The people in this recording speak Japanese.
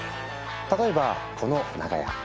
例えばこの長屋。